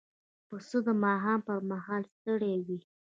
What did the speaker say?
پسه د ماښام پر مهال ستړی وي.